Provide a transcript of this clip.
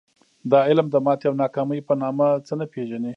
دا علم د ماتې او ناکامۍ په نامه څه نه پېژني